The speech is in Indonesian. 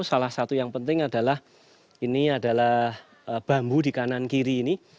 salah satu yang penting adalah ini adalah bambu di kanan kiri ini